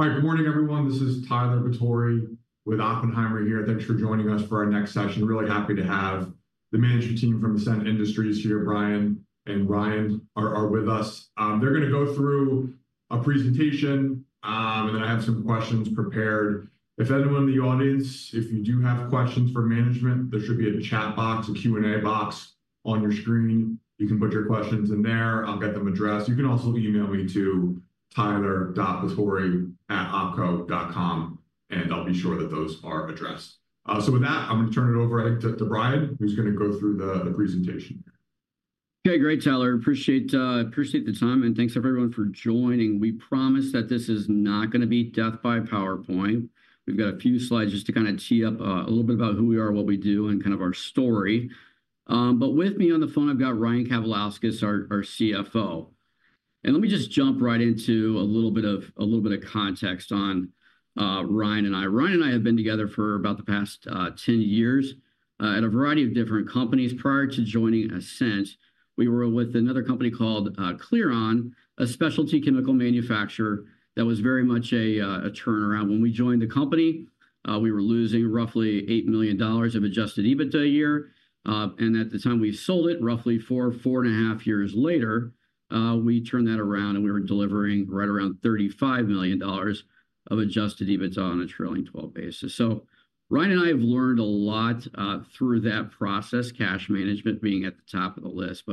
All right. Good morning, everyone. This is Tyler Batory with Oppenheimer here. Thanks for joining us for our next session. Really happy to have the management team from Ascent Industries here. Bryan and Ryan are with us. They're going to go through a presentation, and then I have some questions prepared. If anyone in the audience, if you do have questions for management, there should be a chat box, a Q&A box on your screen. You can put your questions in there. I'll get them addressed. You can also email me to tyler.batory@opco.com, and I'll be sure that those are addressed. With that, I'm going to turn it over to Bryan, who's going to go through the presentation here. Okay. Great, Tyler. Appreciate the time, and thanks everyone for joining. We promise that this is not going to be death by PowerPoint. We've got a few slides just to kind of tee up a little bit about who we are, what we do, and kind of our story. With me on the phone, I've got Ryan Kavalauskas, our CFO. Let me just jump right into a little bit of context on Ryan and I. Ryan and I have been together for about the past 10 years at a variety of different companies. Prior to joining Ascent, we were with another company called Clearon, a specialty chemical manufacturer that was very much a turnaround. When we joined the company, we were losing roughly $8 million of adjusted EBITDA a year. At the time we sold it, roughly four, four and a half years later, we turned that around, and we were delivering right around $35 million of adjusted EBITDA on a trailing 12 basis. Ryan and I have learned a lot through that process, cash management being at the top of the list.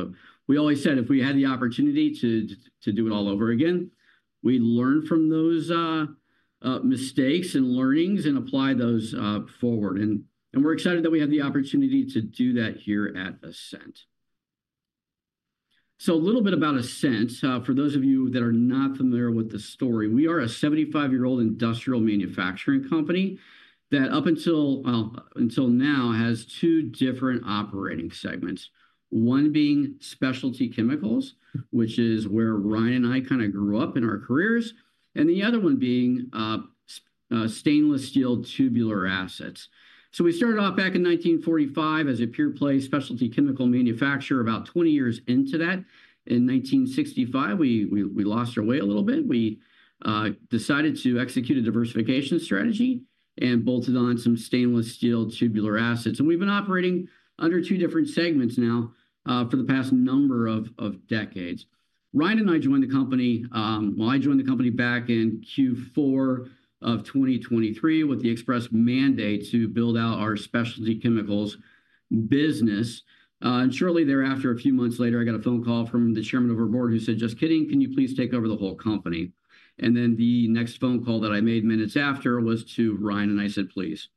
We always said if we had the opportunity to do it all over again, we'd learn from those mistakes and learnings and apply those forward. We're excited that we have the opportunity to do that here at Ascent. A little bit about Ascent. For those of you that are not familiar with the story, we are a 75-year-old industrial manufacturing company that up until now has two different operating segments, one being specialty chemicals, which is where Ryan and I kind of grew up in our careers, and the other one being stainless steel tubular assets. We started off back in 1945 as a pure play specialty chemical manufacturer. About 20 years into that, in 1965, we lost our way a little bit. We decided to execute a diversification strategy and bolted on some stainless steel tubular assets. We have been operating under two different segments now for the past number of decades. Ryan and I joined the company—I joined the company back in Q4 of 2023 with the express mandate to build out our specialty chemicals business. Shortly thereafter, a few months later, I got a phone call from the chairman of our board who said, "Just kidding. Can you please take over the whole company?" The next phone call that I made minutes after was to Ryan, and I said, "Please."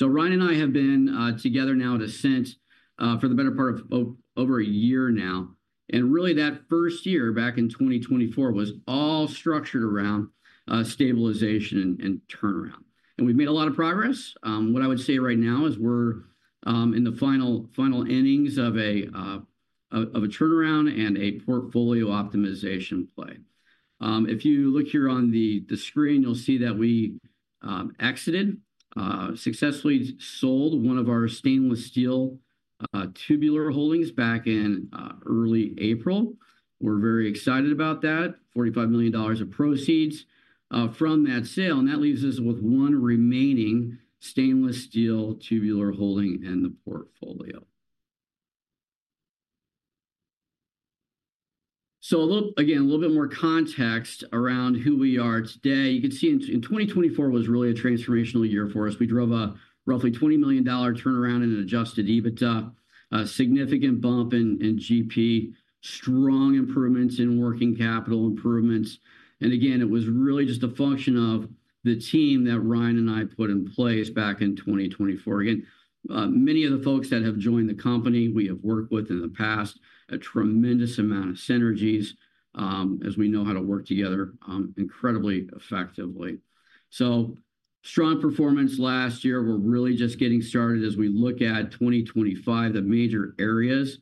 Ryan and I have been together now at Ascent for the better part of over a year now. That first year back in 2024 was all structured around stabilization and turnaround. We've made a lot of progress. What I would say right now is we're in the final innings of a turnaround and a portfolio optimization play. If you look here on the screen, you'll see that we exited, successfully sold one of our stainless steel tubular holdings back in early April. We're very excited about that: $45 million of proceeds from that sale. That leaves us with one remaining stainless steel tubular holding in the portfolio. Again, a little bit more context around who we are today. You can see 2024 was really a transformational year for us. We drove a roughly $20 million turnaround in adjusted EBITDA, significant bump in GP, strong improvements in working capital improvements. Again, it was really just a function of the team that Ryan and I put in place back in 2024. Many of the folks that have joined the company we have worked with in the past, a tremendous amount of synergies, as we know how to work together incredibly effectively. Strong performance last year. We're really just getting started. As we look at 2025, the major areas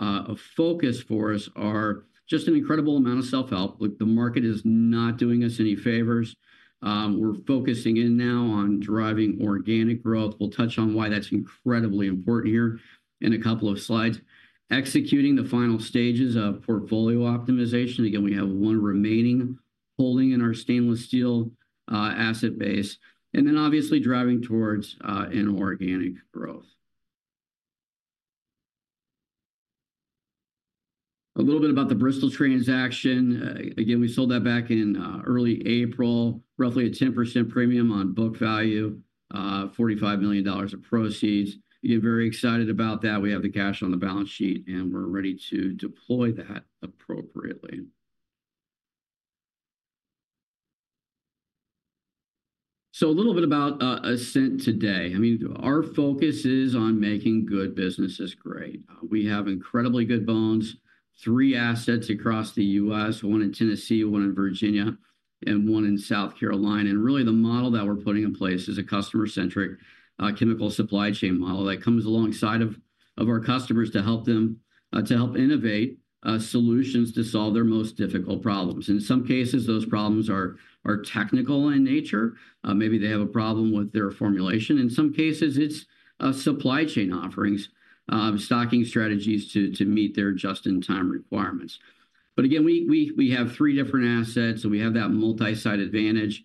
of focus for us are just an incredible amount of self-help. The market is not doing us any favors. We're focusing in now on driving organic growth. We'll touch on why that's incredibly important here in a couple of slides. Executing the final stages of portfolio optimization. Again, we have one remaining holding in our stainless steel asset base. Obviously driving towards an organic growth. A little bit about the Bristol transaction. Again, we sold that back in early April, roughly a 10% premium on book value, $45 million of proceeds. We get very excited about that. We have the cash on the balance sheet, and we're ready to deploy that appropriately. A little bit about Ascent today. I mean, our focus is on making good businesses great. We have incredibly good bones, three assets across the U.S., one in Tennessee, one in Virginia, and one in South Carolina. Really, the model that we're putting in place is a customer-centric chemical supply chain model that comes alongside of our customers to help them to help innovate solutions to solve their most difficult problems. In some cases, those problems are technical in nature. Maybe they have a problem with their formulation. In some cases, it's supply chain offerings, stocking strategies to meet their just-in-time requirements. Again, we have three different assets, and we have that multi-site advantage.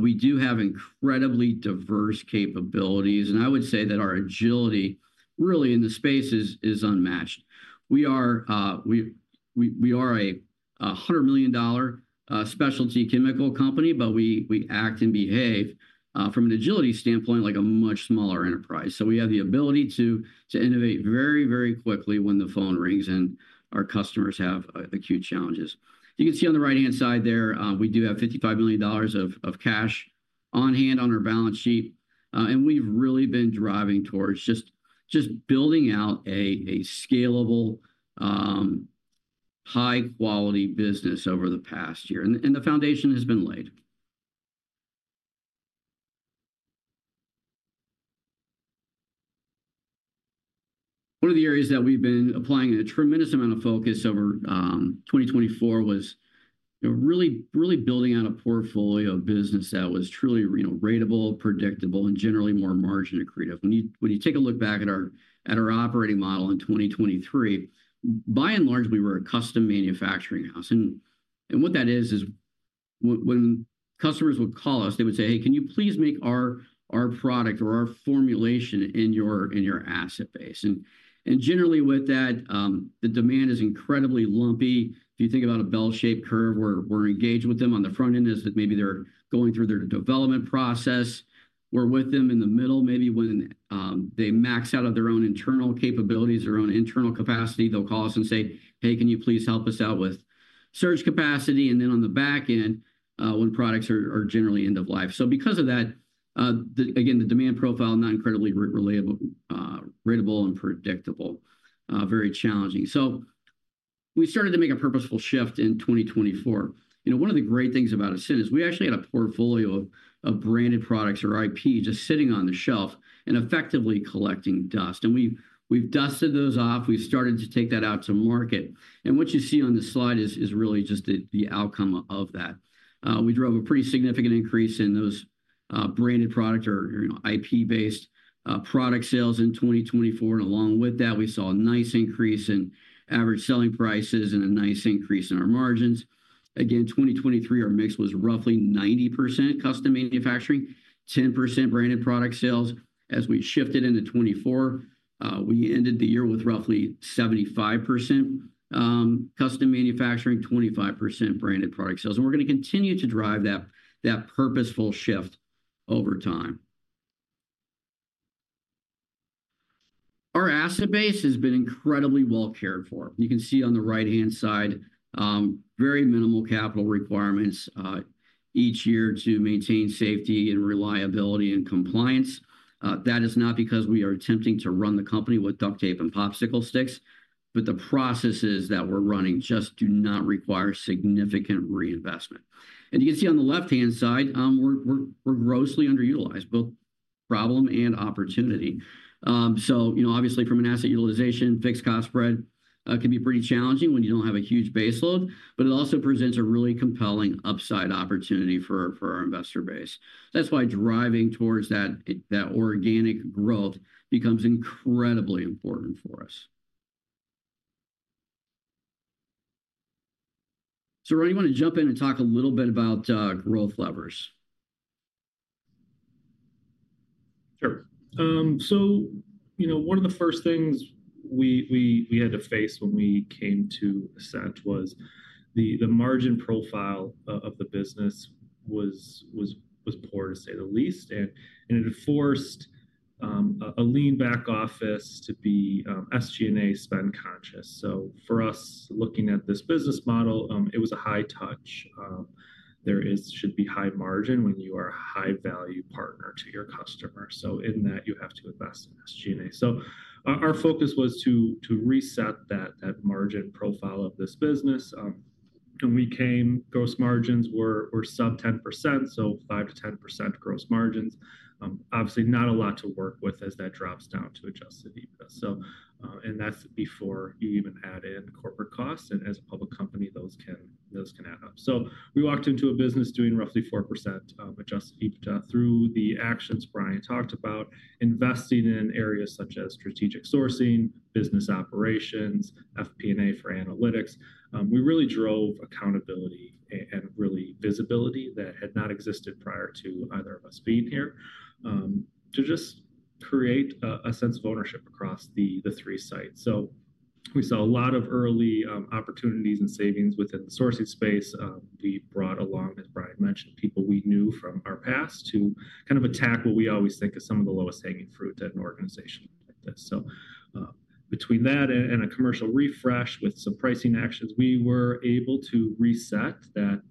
We do have incredibly diverse capabilities. I would say that our agility really in the space is unmatched. We are a $100 million specialty chemical company, but we act and behave from an agility standpoint like a much smaller enterprise. We have the ability to innovate very, very quickly when the phone rings and our customers have acute challenges. You can see on the right-hand side there, we do have $55 million of cash on hand on our balance sheet. We have really been driving towards just building out a scalable, high-quality business over the past year. The foundation has been laid. One of the areas that we have been applying a tremendous amount of focus over 2024 was really building out a portfolio of business that was truly ratable, predictable, and generally more margin accretive. When you take a look back at our operating model in 2023, by and large, we were a custom manufacturing house. What that is, is when customers would call us, they would say, "Hey, can you please make our product or our formulation in your asset base?" Generally with that, the demand is incredibly lumpy. If you think about a bell-shaped curve, we're engaged with them on the front end as maybe they're going through their development process. We're with them in the middle, maybe when they max out of their own internal capabilities, their own internal capacity, they'll call us and say, "Hey, can you please help us out with surge capacity?" Then on the back end, when products are generally end of life. Because of that, again, the demand profile is not incredibly relatable and predictable, very challenging. We started to make a purposeful shift in 2024. One of the great things about Ascent is we actually had a portfolio of branded products or IP just sitting on the shelf and effectively collecting dust. We've dusted those off. We've started to take that out to market. What you see on the slide is really just the outcome of that. We drove a pretty significant increase in those branded products or IP-based product sales in 2024. Along with that, we saw a nice increase in average selling prices and a nice increase in our margins. Again, 2023, our mix was roughly 90% custom manufacturing, 10% branded product sales. As we shifted into 2024, we ended the year with roughly 75% custom manufacturing, 25% branded product sales. We are going to continue to drive that purposeful shift over time. Our asset base has been incredibly well cared for. You can see on the right-hand side, very minimal capital requirements each year to maintain safety and reliability and compliance. That is not because we are attempting to run the company with duct tape and popsicle sticks, but the processes that we're running just do not require significant reinvestment. You can see on the left-hand side, we're grossly underutilized, both problem and opportunity. Obviously, from an asset utilization, fixed cost spread can be pretty challenging when you don't have a huge base load, but it also presents a really compelling upside opportunity for our investor base. That's why driving towards that organic growth becomes incredibly important for us. Ryan, you want to jump in and talk a little bit about growth levers? Sure. One of the first things we had to face when we came to Ascent was the margin profile of the business was poor, to say the least. It forced a lean-back office to be SG&A spend-conscious. For us, looking at this business model, it was a high touch. There should be high margin when you are a high-value partner to your customer. In that, you have to invest in SG&A. Our focus was to reset that margin profile of this business. When we came, gross margins were sub 10%, so 5-10% gross margins. Obviously, not a lot to work with as that drops down to adjusted EBITDA. That is before you even add in corporate costs. As a public company, those can add up. We walked into a business doing roughly 4% adjusted EBITDA. Through the actions Bryan talked about, investing in areas such as strategic sourcing, business operations, FP&A for analytics, we really drove accountability and really visibility that had not existed prior to either of us being here to just create a sense of ownership across the three sites. We saw a lot of early opportunities and savings within the sourcing space. We brought along, as Bryan mentioned, people we knew from our past to kind of attack what we always think is some of the lowest hanging fruit at an organization like this. Between that and a commercial refresh with some pricing actions, we were able to reset that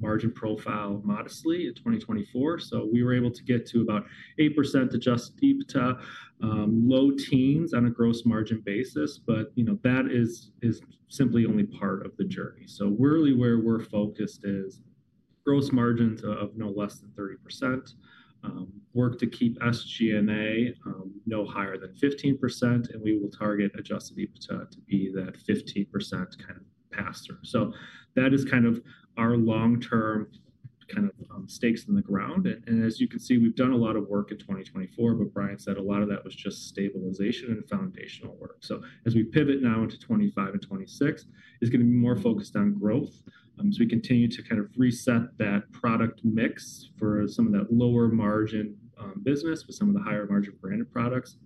margin profile modestly in 2024. We were able to get to about 8% adjusted EBITDA, low teens on a gross margin basis. That is simply only part of the journey. Really where we're focused is gross margins of no less than 30%, work to keep SG&A no higher than 15%, and we will target adjusted EBITDA to be that 15% kind of pass-through. That is kind of our long-term kind of stakes in the ground. As you can see, we've done a lot of work in 2024, but Bryan said a lot of that was just stabilization and foundational work. As we pivot now into 2025 and 2026, it's going to be more focused on growth. As we continue to kind of reset that product mix for some of that lower margin business with some of the higher margin branded products,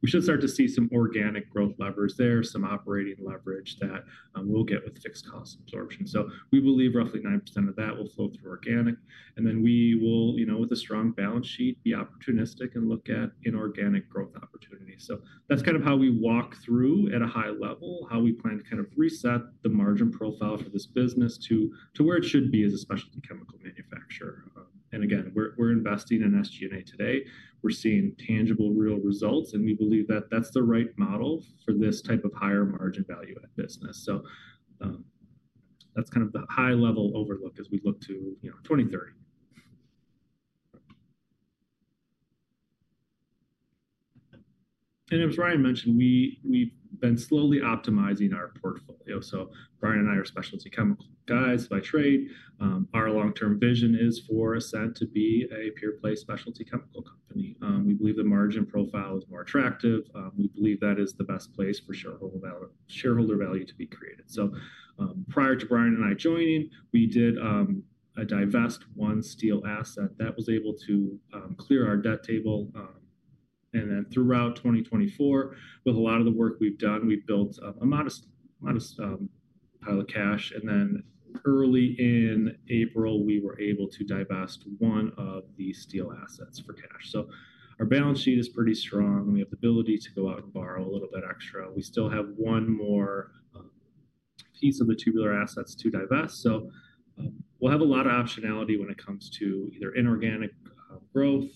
we should start to see some organic growth levers there, some operating leverage that we'll get with fixed cost absorption. We believe roughly 9% of that will flow through organic. We will, with a strong balance sheet, be opportunistic and look at inorganic growth opportunities. That is kind of how we walk through at a high level, how we plan to kind of reset the margin profile for this business to where it should be as a specialty chemical manufacturer. Again, we are investing in SG&A today. We are seeing tangible real results, and we believe that is the right model for this type of higher margin value at business. That is kind of the high-level overlook as we look to 2030. As Ryan mentioned, we have been slowly optimizing our portfolio. Ryan and I are specialty chemical guys by trade. Our long-term vision is for Ascent to be a pure-play specialty chemical company. We believe the margin profile is more attractive. We believe that is the best place for shareholder value to be created. Prior to Bryan and I joining, we did divest one steel asset that was able to clear our debt table. Throughout 2024, with a lot of the work we've done, we built a modest pile of cash. Early in April, we were able to divest one of the steel assets for cash. Our balance sheet is pretty strong. We have the ability to go out and borrow a little bit extra. We still have one more piece of the tubular assets to divest. We'll have a lot of optionality when it comes to either inorganic growth,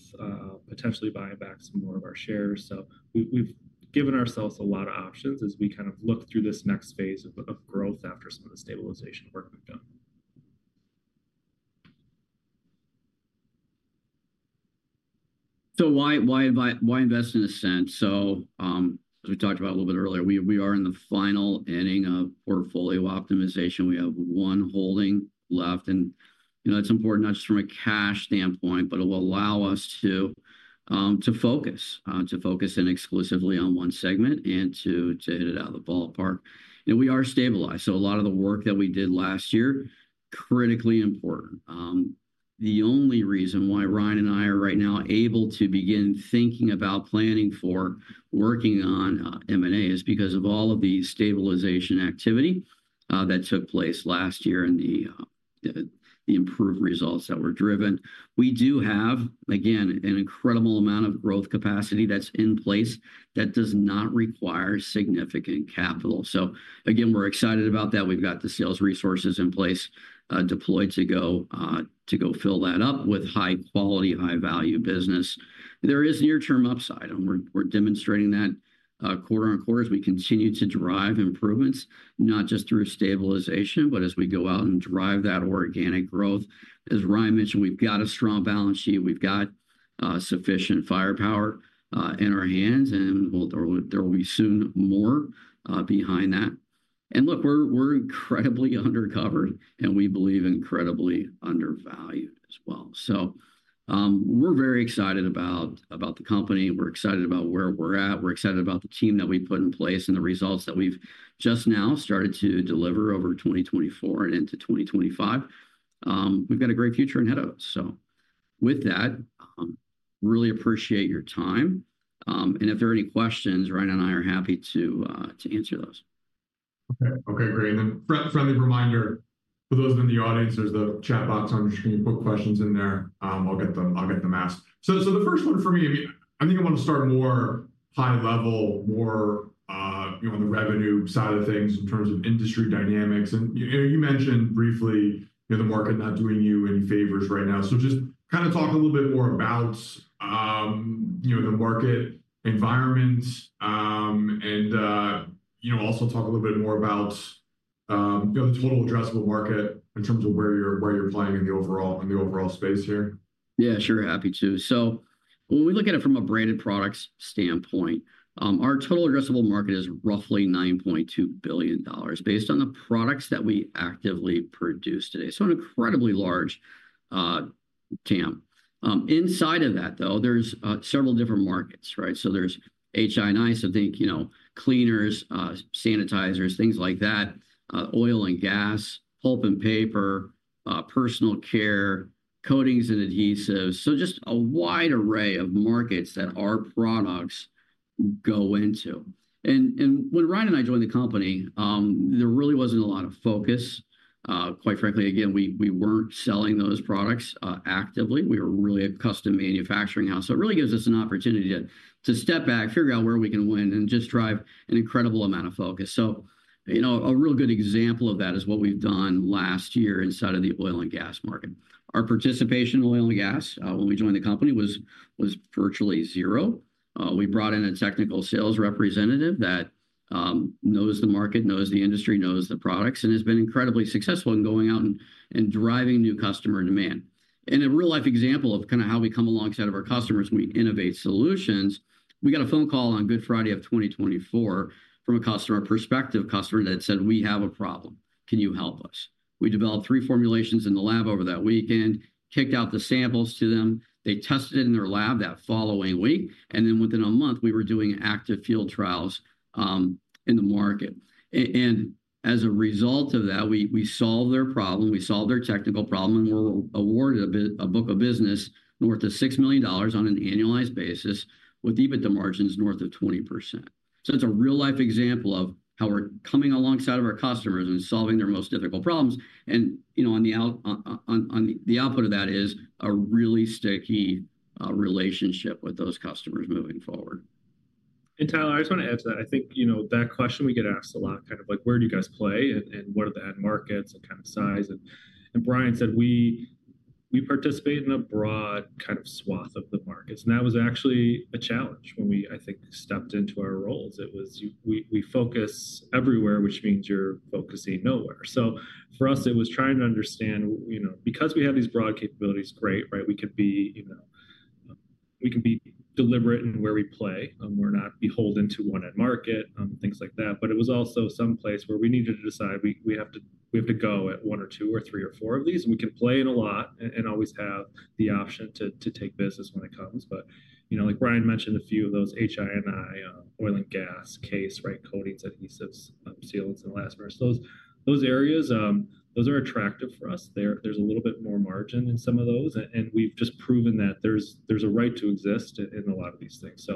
potentially buying back some more of our shares. We've given ourselves a lot of options as we kind of look through this next phase of growth after some of the stabilization work we've done. Why invest in Ascent? As we talked about a little bit earlier, we are in the final ending of portfolio optimization. We have one holding left. It is important not just from a cash standpoint, but it will allow us to focus in exclusively on one segment and to hit it out of the ballpark. We are stabilized. A lot of the work that we did last year, critically important. The only reason why Ryan and I are right now able to begin thinking about planning for working on M&A is because of all of the stabilization activity that took place last year and the improved results that were driven. We do have, again, an incredible amount of growth capacity that is in place that does not require significant capital. We are excited about that. We've got the sales resources in place deployed to go fill that up with high-quality, high-value business. There is near-term upside, and we're demonstrating that quarter on quarter as we continue to drive improvements, not just through stabilization, but as we go out and drive that organic growth. As Ryan mentioned, we've got a strong balance sheet. We've got sufficient firepower in our hands, and there will be soon more behind that. Look, we're incredibly undercovered, and we believe incredibly undervalued as well. We're very excited about the company. We're excited about where we're at. We're excited about the team that we put in place and the results that we've just now started to deliver over 2024 and into 2025. We've got a great future ahead of us. With that, really appreciate your time. If there are any questions, Ryan and I are happy to answer those. Okay. Okay, great. Friendly reminder, for those in the audience, there's the chat box on your screen. Put questions in there. I'll get them asked. The first one for me, I mean, I think I want to start more high-level, more on the revenue side of things in terms of industry dynamics. You mentioned briefly the market not doing you any favors right now. Just kind of talk a little bit more about the market environment and also talk a little bit more about the total addressable market in terms of where you're playing in the overall space here. Yeah, sure. Happy to. When we look at it from a branded products standpoint, our total addressable market is roughly $9.2 billion based on the products that we actively produce today. An incredibly large TAM. Inside of that, though, there are several different markets, right? There is HI&I, so think cleaners, sanitizers, things like that, oil and gas, pulp and paper, personal care, coatings and adhesives. Just a wide array of markets that our products go into. When Ryan and I joined the company, there really was not a lot of focus. Quite frankly, again, we were not selling those products actively. We were really a custom manufacturing house. It really gives us an opportunity to step back, figure out where we can win, and just drive an incredible amount of focus. A real good example of that is what we've done last year inside of the oil and gas market. Our participation in oil and gas when we joined the company was virtually zero. We brought in a technical sales representative that knows the market, knows the industry, knows the products, and has been incredibly successful in going out and driving new customer demand. A real-life example of kind of how we come alongside of our customers when we innovate solutions, we got a phone call on Good Friday of 2024 from a customer perspective, a customer that said, "We have a problem. Can you help us?" We developed three formulations in the lab over that weekend, kicked out the samples to them. They tested it in their lab that following week. Within a month, we were doing active field trials in the market. As a result of that, we solved their problem. We solved their technical problem, and we were awarded a book of business north of $6 million on an annualized basis with EBITDA margins north of 20%. It is a real-life example of how we are coming alongside of our customers and solving their most difficult problems. The output of that is a really sticky relationship with those customers moving forward. Tyler, I just want to add to that. I think that question we get asked a lot, kind of like, "Where do you guys play and what are the end markets and kind of size?" Bryan said, "We participate in a broad kind of swath of the markets." That was actually a challenge when we, I think, stepped into our roles. It was, "We focus everywhere," which means you're focusing nowhere. For us, it was trying to understand, because we have these broad capabilities, great, right? We can be deliberate in where we play. We're not beholden to one end market, things like that. It was also someplace where we needed to decide, "We have to go at one or two or three or four of these. We can play in a lot and always have the option to take business when it comes. Like Brian mentioned, a few of those HI&I, oil and gas case, right? Coatings, adhesives, sealants, and elastomers. Those areas, those are attractive for us. There is a little bit more margin in some of those. We have just proven that there is a right to exist in a lot of these things.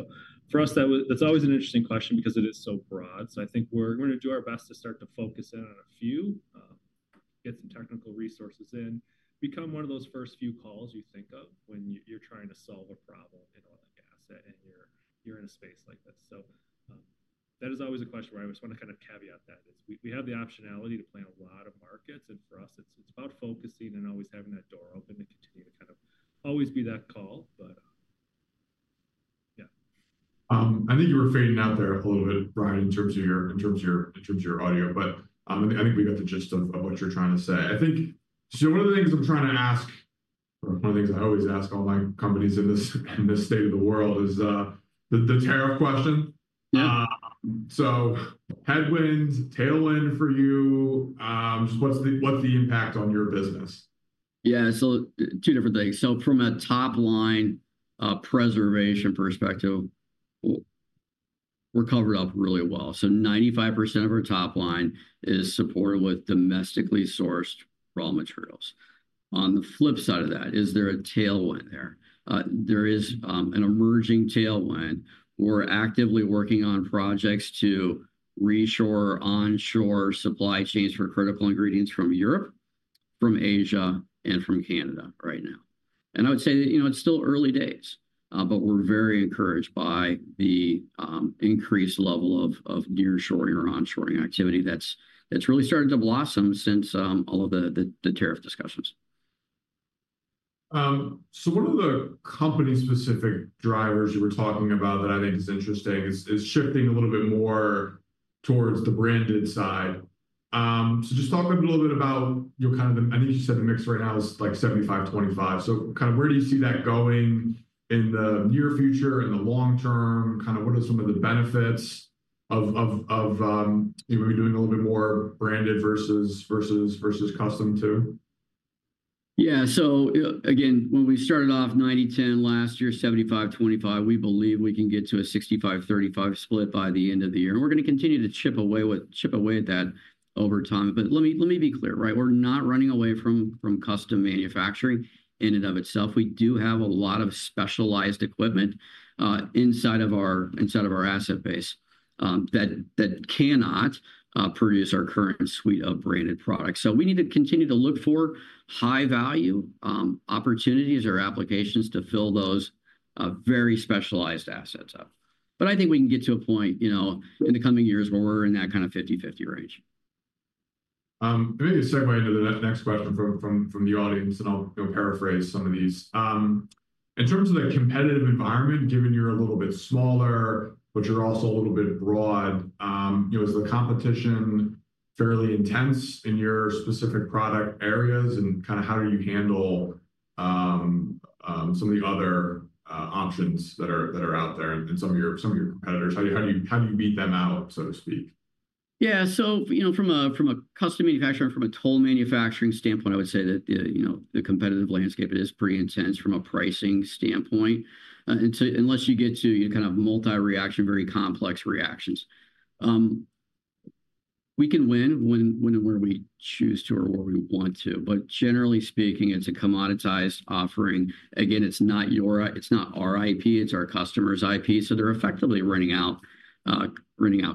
For us, that is always an interesting question because it is so broad. I think we are going to do our best to start to focus in on a few, get some technical resources in, become one of those first few calls you think of when you are trying to solve a problem in oil and gas and you are in a space like this. That is always a question where I just want to kind of caveat that. We have the optionality to play in a lot of markets. For us, it's about focusing and always having that door open to continue to kind of always be that call, but yeah. I think you were fading out there a little bit, Bryan, in terms of your audio, but I think we got the gist of what you're trying to say. I think one of the things I'm trying to ask, or one of the things I always ask all my companies in this state of the world, is the tariff question. Headwinds, tailwind for you? What's the impact on your business? Yeah. Two different things. From a top-line preservation perspective, we're covered up really well. Ninety-five percent of our top line is supported with domestically sourced raw materials. On the flip side of that, is there a tailwind there? There is an emerging tailwind. We're actively working on projects to reshore, onshore supply chains for critical ingredients from Europe, from Asia, and from Canada right now. I would say it's still early days, but we're very encouraged by the increased level of nearshoring or onshoring activity that's really started to blossom since all of the tariff discussions. One of the company-specific drivers you were talking about that I think is interesting is shifting a little bit more towards the branded side. Just talk a little bit about kind of the, I think you said the mix right now is like 75-25. Kind of where do you see that going in the near future, in the long term? Kind of what are some of the benefits of maybe doing a little bit more branded versus custom too? Yeah. Again, when we started off 90-10 last year, 75-25, we believe we can get to a 65-35 split by the end of the year. We are going to continue to chip away at that over time. Let me be clear, right? We are not running away from custom manufacturing in and of itself. We do have a lot of specialized equipment inside of our asset base that cannot produce our current suite of branded products. We need to continue to look for high-value opportunities or applications to fill those very specialized assets up. I think we can get to a point in the coming years where we are in that kind of 50-50 range. Maybe a segue into the next question from the audience, and I'll paraphrase some of these. In terms of the competitive environment, given you're a little bit smaller, but you're also a little bit broad, is the competition fairly intense in your specific product areas? Kind of how do you handle some of the other options that are out there and some of your competitors? How do you beat them out, so to speak? Yeah. From a custom manufacturer, from a toll manufacturing standpoint, I would say that the competitive landscape is pretty intense from a pricing standpoint unless you get to kind of multi-reaction, very complex reactions. We can win when and where we choose to or where we want to. Generally speaking, it's a commoditized offering. Again, it's not our IP. It's our customer's IP. They're effectively running out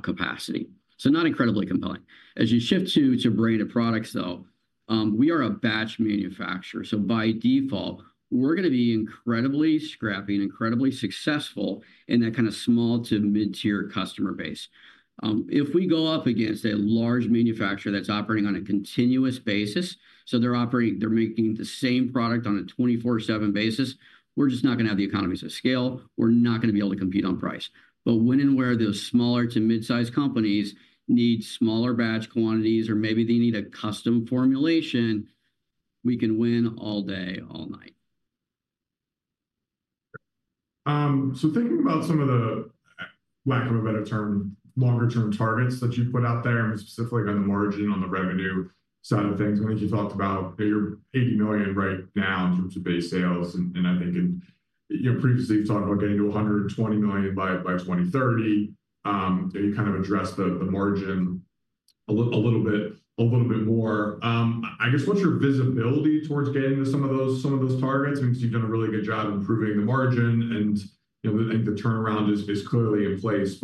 capacity, so not incredibly compelling. As you shift to branded products, we are a batch manufacturer. By default, we're going to be incredibly scrappy and incredibly successful in that kind of small to mid-tier customer base. If we go up against a large manufacturer that's operating on a continuous basis, so they're making the same product on a 24/7 basis, we're just not going to have the economies of scale. We're not going to be able to compete on price. When and where those smaller to mid-sized companies need smaller batch quantities or maybe they need a custom formulation, we can win all day, all night. Thinking about some of the, lack of a better term, longer-term targets that you put out there, specifically on the margin, on the revenue side of things, I think you talked about your $80 million right now in terms of base sales. I think previously you've talked about getting to $120 million by 2030. You kind of addressed the margin a little bit more. I guess what's your visibility towards getting to some of those targets? I mean, because you've done a really good job improving the margin, and I think the turnaround is clearly in place.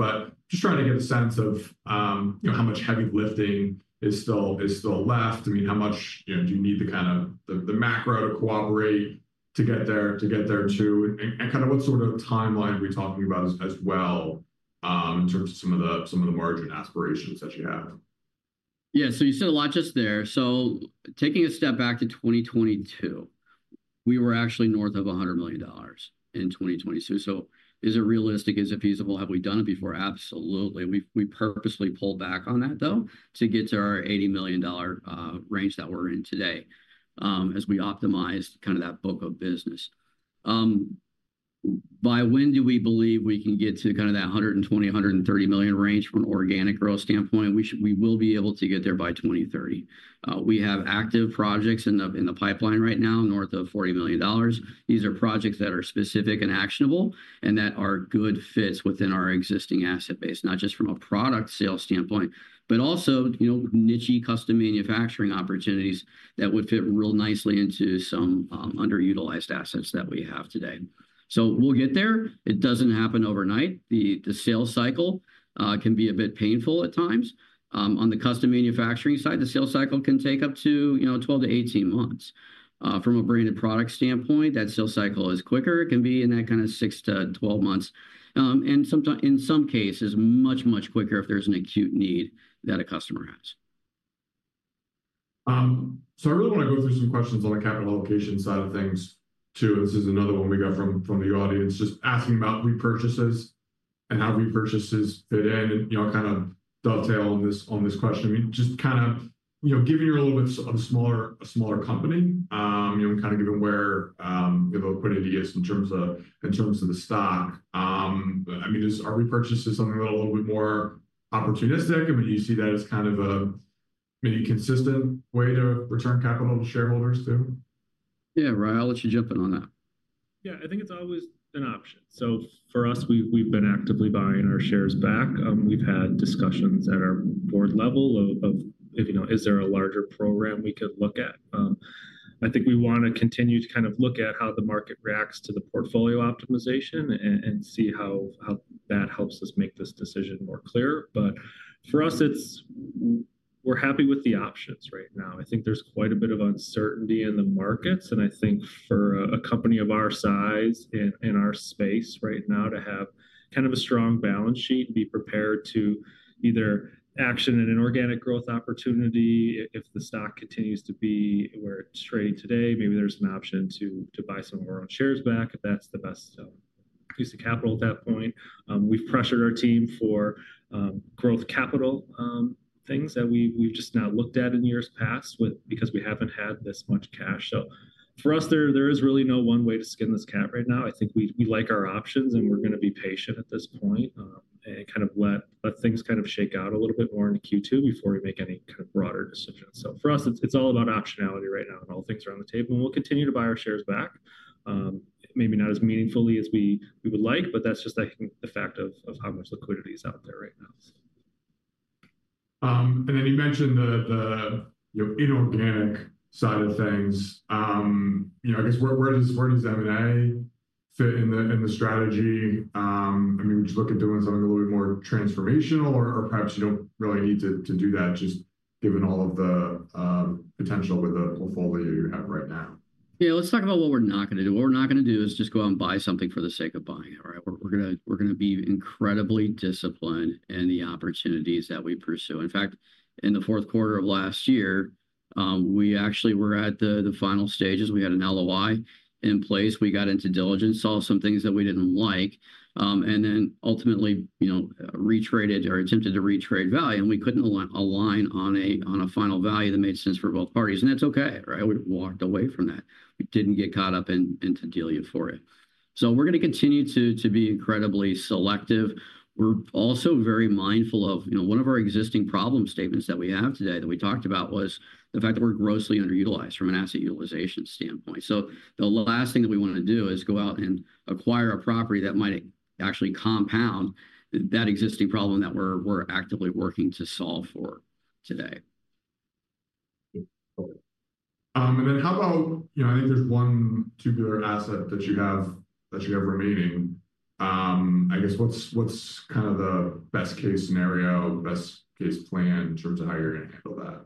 Just trying to get a sense of how much heavy lifting is still left. I mean, how much do you need the kind of the macro to cooperate to get there too? What sort of timeline are we talking about as well in terms of some of the margin aspirations that you have? Yeah. You said a lot just there. Taking a step back to 2022, we were actually north of $100 million in 2022. Is it realistic? Is it feasible? Have we done it before? Absolutely. We purposely pulled back on that, though, to get to our $80 million range that we're in today as we optimized kind of that book of business. By when do we believe we can get to kind of that $120 million-$130 million range from an organic growth standpoint? We will be able to get there by 2030. We have active projects in the pipeline right now north of $40 million. These are projects that are specific and actionable and that are good fits within our existing asset base, not just from a product sales standpoint, but also niche custom manufacturing opportunities that would fit real nicely into some underutilized assets that we have today. We'll get there. It doesn't happen overnight. The sales cycle can be a bit painful at times. On the custom manufacturing side, the sales cycle can take up to 12-18 months. From a branded product standpoint, that sales cycle is quicker. It can be in that kind of 6-12 months. In some cases, much, much quicker if there's an acute need that a customer has. I really want to go through some questions on the capital allocation side of things too. This is another one we got from the audience just asking about repurchases and how repurchases fit in and kind of dovetail on this question. I mean, just kind of given you're a little bit of a smaller company, kind of given where the liquidity is in terms of the stock, I mean, are repurchases something that are a little bit more opportunistic? I mean, do you see that as kind of a maybe consistent way to return capital to shareholders too? Yeah, Ryan, I'll let you jump in on that. Yeah. I think it's always an option. For us, we've been actively buying our shares back. We've had discussions at our board level of, is there a larger program we could look at? I think we want to continue to kind of look at how the market reacts to the portfolio optimization and see how that helps us make this decision more clear. For us, we're happy with the options right now. I think there's quite a bit of uncertainty in the markets. I think for a company of our size and our space right now to have kind of a strong balance sheet and be prepared to either action in an organic growth opportunity if the stock continues to be where it's trading today, maybe there's an option to buy some of our own shares back if that's the best use of capital at that point. We've pressured our team for growth capital, things that we've just not looked at in years past because we haven't had this much cash. For us, there is really no one way to skin this cat right now. I think we like our options, and we're going to be patient at this point and kind of let things kind of shake out a little bit more in Q2 before we make any kind of broader decisions. For us, it's all about optionality right now, and all things are on the table. We'll continue to buy our shares back, maybe not as meaningfully as we would like, but that's just the fact of how much liquidity is out there right now. You mentioned the inorganic side of things. I guess where does M&A fit in the strategy? I mean, would you look at doing something a little bit more transformational, or perhaps you don't really need to do that just given all of the potential with the portfolio you have right now? Yeah. Let's talk about what we're not going to do. What we're not going to do is just go out and buy something for the sake of buying it, right? We're going to be incredibly disciplined in the opportunities that we pursue. In fact, in the fourth quarter of last year, we actually were at the final stages. We had an LOI in place. We got into diligence, saw some things that we didn't like, and then ultimately retraded or attempted to retrade value. We couldn't align on a final value that made sense for both parties. That's okay, right? We walked away from that. We didn't get caught up into dealing for it. We're going to continue to be incredibly selective. We're also very mindful of one of our existing problem statements that we have today that we talked about was the fact that we're grossly underutilized from an asset utilization standpoint. The last thing that we want to do is go out and acquire a property that might actually compound that existing problem that we're actively working to solve for today. How about I think there's one tubular asset that you have remaining. I guess what's kind of the best-case scenario, best-case plan in terms of how you're going to handle that?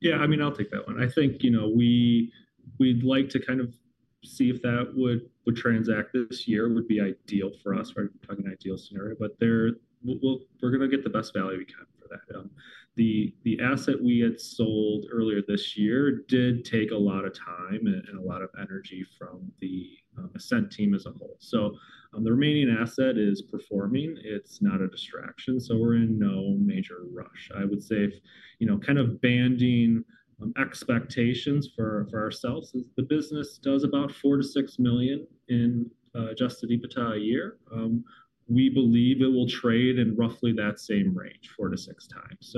Yeah. I mean, I'll take that one. I think we'd like to kind of see if that would transact this year would be ideal for us. We're talking ideal scenario, but we're going to get the best value we can for that. The asset we had sold earlier this year did take a lot of time and a lot of energy from the Ascent team as a whole. The remaining asset is performing. It's not a distraction. We're in no major rush. I would say kind of banding expectations for ourselves, the business does about $4 million-$6 million in adjusted EBITDA a year. We believe it will trade in roughly that same range, four to six times.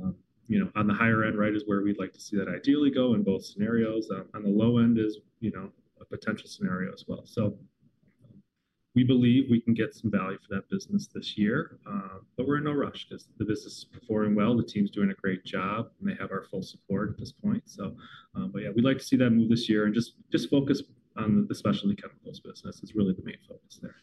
On the higher end, right, is where we'd like to see that ideally go in both scenarios. On the low end is a potential scenario as well. We believe we can get some value for that business this year, but we're in no rush because the business is performing well. The team's doing a great job, and they have our full support at this point. Yeah, we'd like to see that move this year and just focus on the specialty chemicals business is really the main focus there.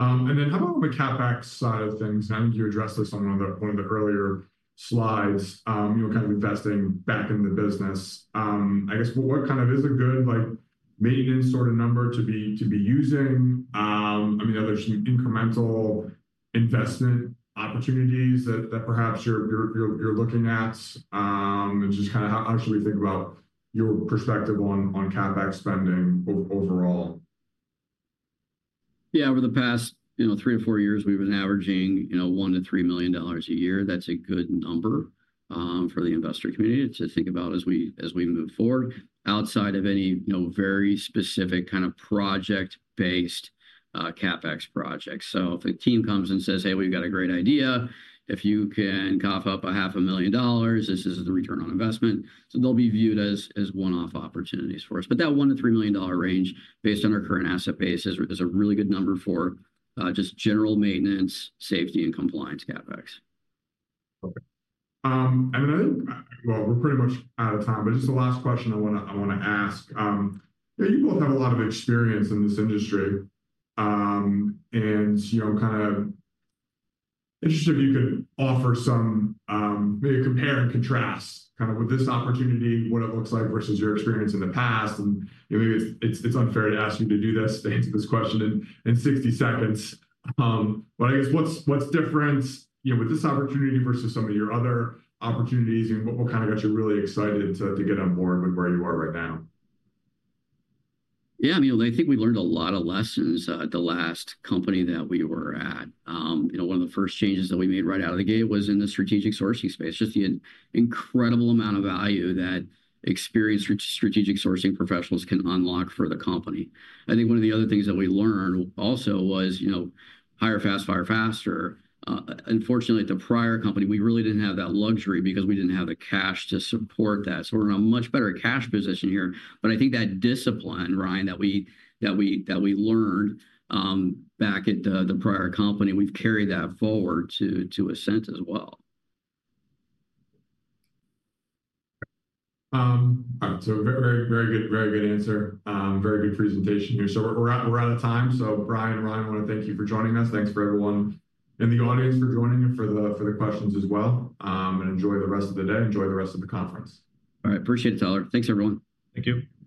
How about on the CapEx side of things? I think you addressed this on one of the earlier slides, kind of investing back in the business. I guess what kind of is a good maintenance sort of number to be using? I mean, are there some incremental investment opportunities that perhaps you're looking at? Just kind of how should we think about your perspective on CapEx spending overall? Yeah. Over the past three or four years, we've been averaging $1 million-$3 million a year. That's a good number for the investor community to think about as we move forward outside of any very specific kind of project-based CapEx projects. If a team comes and says, "Hey, we've got a great idea. If you can cough up $500,000, this is the return on investment." They'll be viewed as one-off opportunities for us. That $1 million-$3 million range based on our current asset base is a really good number for just general maintenance, safety, and compliance CapEx. Perfect. I mean, I think, well, we're pretty much out of time, but just the last question I want to ask. You both have a lot of experience in this industry, and I'm kind of interested if you could offer some maybe compare and contrast kind of with this opportunity, what it looks like versus your experience in the past. Maybe it's unfair to ask you to do this question in 60 seconds. I guess what's different with this opportunity versus some of your other opportunities? What kind of got you really excited to get on board with where you are right now? Yeah. I mean, I think we learned a lot of lessons at the last company that we were at. One of the first changes that we made right out of the gate was in the strategic sourcing space. Just the incredible amount of value that experienced strategic sourcing professionals can unlock for the company. I think one of the other things that we learned also was hire fast, fire faster. Unfortunately, at the prior company, we really did not have that luxury because we did not have the cash to support that. We are in a much better cash position here. I think that discipline, Ryan, that we learned back at the prior company, we have carried that forward to Ascent as well. All right. Very good answer. Very good presentation here. We are out of time. Bryan, Ryan, I want to thank you for joining us. Thanks to everyone in the audience for joining and for the questions as well. Enjoy the rest of the day. Enjoy the rest of the conference. All right. Appreciate it, Tyler. Thanks, everyone. Thank you. Bye.